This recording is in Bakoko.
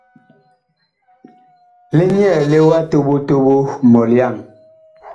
Li nyɛɛle wa toɓo toɓo mɔlyaŋ!